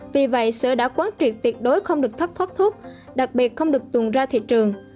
vì vậy sự đã quán triệt tiệt đối không được thắt thoát thuốc đặc biệt không được tuôn ra thị trường